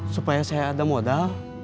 supaya saya ada modal